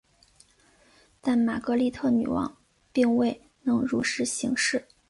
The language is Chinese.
但玛格丽特女王并未能如实行事。